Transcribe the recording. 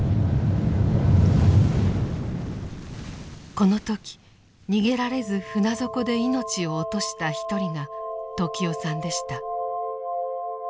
この時逃げられず船底で命を落とした一人が時雄さんでした。